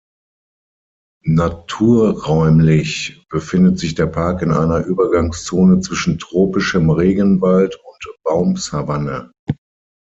Naturräumlich befindet sich der Park in einer Übergangszone zwischen tropischem Regenwald und Baumsavanne.